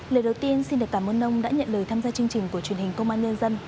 lời đầu tiên xin được cảm ơn ông đã nhận lời tham gia chương trình của truyền hình công an nhân dân